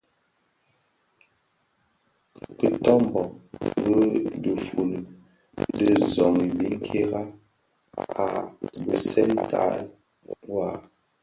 A kitömbö bi dhi fuli di zoň i biňkira a bisèntaï waa.